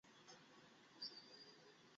ও চিরতরে সেখানে থাকবে না।